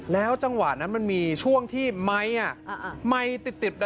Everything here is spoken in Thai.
แล้วจังหวะนั้นมันมีช่วงที่ไมค์อ่ะ